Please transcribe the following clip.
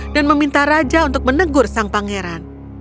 dan meminta raja untuk menegur sang pangeran